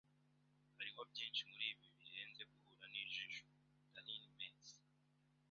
Hariho byinshi muribi birenze guhura nijisho. (darinmex)